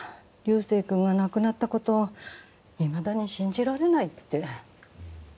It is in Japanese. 流星くんが亡くなったこといまだに信じられないって。